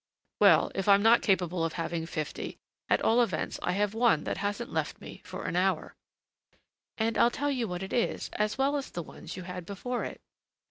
"Well, if I am not capable of having fifty, at all events I have one that hasn't left me for an hour." "And I'll tell you what it is, as well as the ones you had before it."